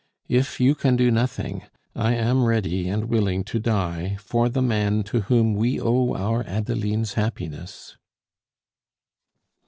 If you can do nothing, I am ready and willing to die for the man to whom we owe our Adeline's happiness!"